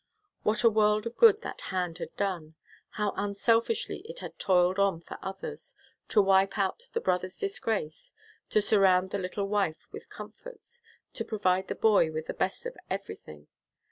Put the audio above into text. What a world of good that hand had done! How unselfishly it had toiled on for others, to wipe out the brother's disgrace, to surround the little wife with comforts, to provide the boy with the best of everything!